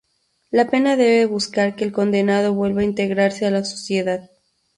La pena debe buscar que el condenado vuelva a integrarse a la sociedad.